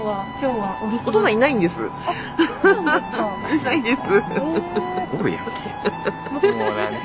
いないんです。